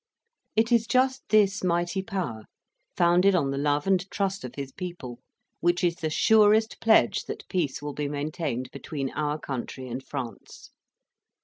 It is just this mighty power, founded on the love and trust of his people, which is the surest pledge that peace will be maintained between our country and France.